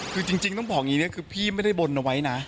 คือจริงต้องบอกอย่างนี้นะคือพี่ไม่ได้บนเอาไว้นะ